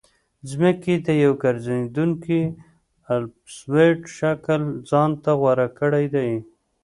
ځمکې د یو ګرځېدونکي الپسویډ شکل ځان ته غوره کړی دی